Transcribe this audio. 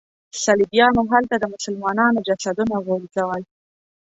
صلیبیانو هلته د مسلمانانو جسدونه غورځول.